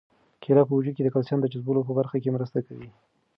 کیله په وجود کې د کلسیم د جذبولو په برخه کې مرسته کوي.